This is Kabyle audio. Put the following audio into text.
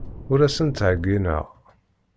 Ur asen-ttɛeyyineɣ.